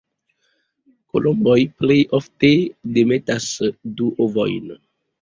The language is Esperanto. Kolomboj plej ofte demetas du ovojn.